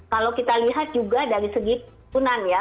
kalau kita lihat juga dari segi punan ya